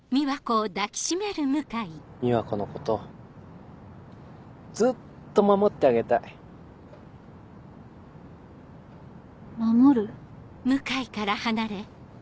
美和子のことずっと守ってあげたい守る？